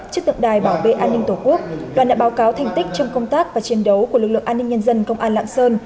trước tượng đài bảo vệ an ninh tổ quốc đoàn đã báo cáo thành tích trong công tác và chiến đấu của lực lượng an ninh nhân dân công an lạng sơn